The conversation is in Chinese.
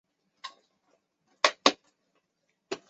汉字部件。